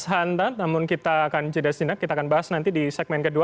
mas hanta namun kita akan jeda sejenak kita akan bahas nanti di segmen kedua